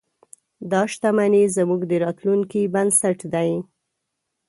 دا شتمنۍ زموږ د راتلونکي بنسټ دی.